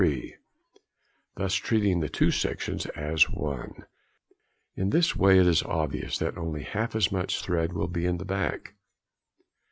3, thus treating the two sections as one; in this way it is obvious that only half as much thread will be in the back.